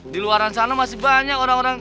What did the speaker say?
di luar sana masih banyak orang orang